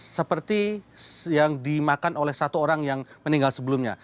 seperti yang dimakan oleh satu orang yang meninggal sebelumnya